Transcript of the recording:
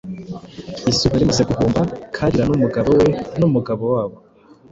izuba rimaze guhumba». Kalira n'umugabo we n'umugabo wabo